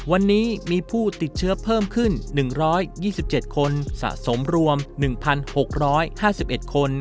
วันนี้มีผู้ติดเชื้อเพิ่มขึ้น๑๒๗คนสะสมรวม๑๖๕๑คน